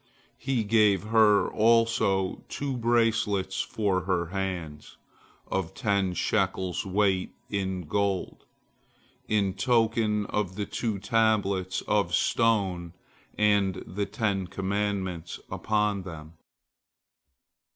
He gave her also two bracelets for her hands, of ten shekels weight in gold, in token of the two tables of stone and the Ten Commandments upon them.